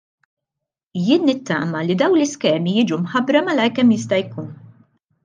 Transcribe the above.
Jien nittama li dawn l-iskemi jiġu mħabbra malajr kemm jista' jkun.